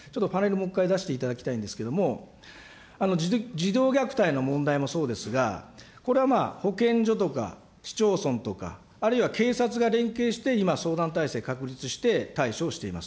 もう一回出していただきたいんですけれども、児童虐待の問題もそうですが、これはまあ、保健所とか市町村とか、あるいは警察が連携して今、相談体制確立して対処をしています。